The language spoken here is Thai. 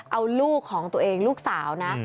เอาลูกของตัวเองลูกสาวนะ